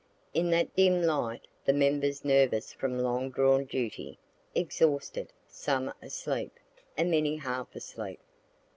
In that dim light, the members nervous from long drawn duty, exhausted, some asleep, and many half asleep.